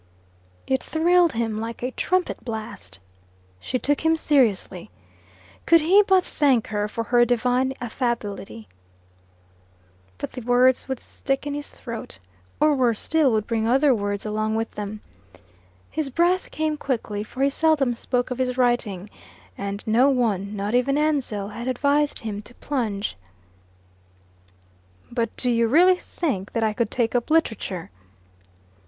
It thrilled him like a trumpet blast. She took him seriously. Could he but thank her for her divine affability! But the words would stick in his throat, or worse still would bring other words along with them. His breath came quickly, for he seldom spoke of his writing, and no one, not even Ansell, had advised him to plunge. "But do you really think that I could take up literature?"